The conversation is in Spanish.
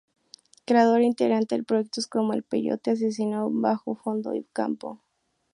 Creador e integrante de proyectos como El Peyote Asesino, Bajofondo y Campo.